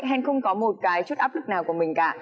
hen không có một cái chút áp lực nào của mình cả